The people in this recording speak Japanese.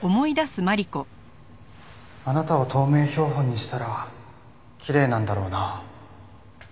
あなたを透明標本にしたらきれいなんだろうな。